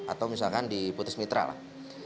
atau misalkan diputus mitra lah